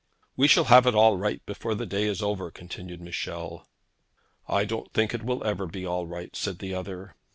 'We shall have it all right before the day is over,' continued Michel. 'I don't think it will ever be all right,' said the other.